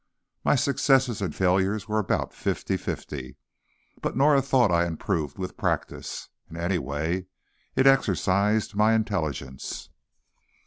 My successes and failures were about fifty fifty, but Norah thought I improved with practice, and, anyway, it exercised my intelligence.